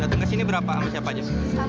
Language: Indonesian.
datang ke sini berapa sama siapa aja